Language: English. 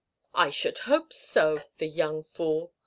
"I should hope so. The young fool!"